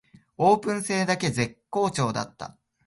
オープン戦だけ絶好調だった